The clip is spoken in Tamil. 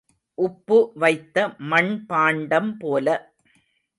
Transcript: உப்பு வைத்த மண்பாண்டம் போல.